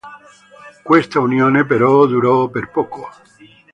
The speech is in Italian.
Questa unione però durò per poco.